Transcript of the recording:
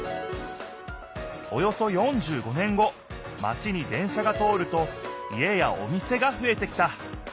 およそ４５年後マチに電車が通ると家やお店がふえてきた。